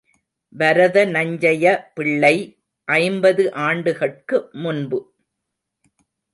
வரத நஞ்சையபிள்ளை ஐம்பது ஆண்டுகட்கு முன்பு.